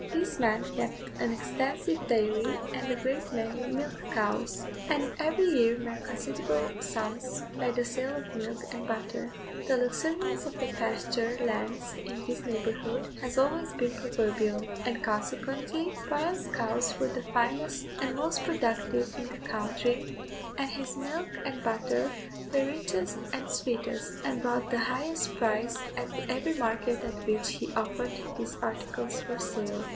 This man kept an extensive dairy and a great many milch cows, and every year made considerable sums by the sale of milk and butter. The luxuriance of the pasture lands in this neighbourhood has always been proverbial; and, consequently, Bryan's cows were the finest and most productive in the country, and his milk and butter the richest and sweetest, and brought the highest price at every market at which he offered these articles for sale.